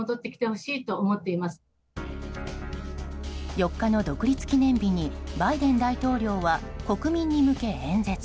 ４日の独立記念日にバイデン大統領は国民に向け演説。